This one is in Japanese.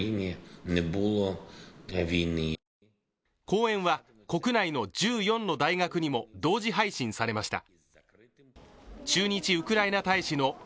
講演は国内の１４の大学にも同時配信されました。